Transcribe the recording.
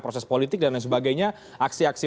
proses politik dan lain sebagainya aksi aksi